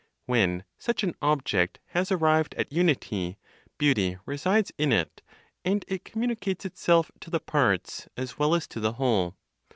When such an object has arrived at unity, beauty resides in it, and it communicates itself to the parts as well as to the whole.